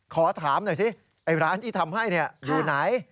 ขอถามหน่อยสิร้านที่ทำให้อยู่ไหน